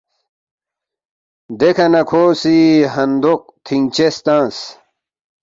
“ دیکھہ نہ کھو سی ہندوق تِھنگچس تِھنگس